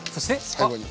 最後に。